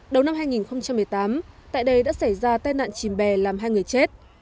đầu năm hai nghìn một mươi tám tại đây đã xảy ra tai nạn chìm bè làm hai người chết